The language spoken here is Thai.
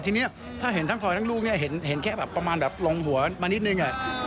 ทีนี้ถ้าเห็นทั้งซอยทั้งลูกเนี่ยเห็นแค่แบบประมาณแบบลงหัวมานิดนึง